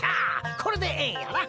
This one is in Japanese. これでええんやな？